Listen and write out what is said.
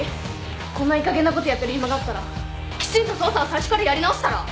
こんないいかげんなことやってる暇があったらきちんと捜査を最初からやり直したら？